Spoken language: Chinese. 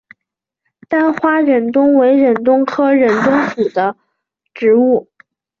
单花忍冬为忍冬科忍冬属的植物。